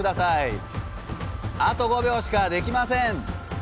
あと５秒しかできません！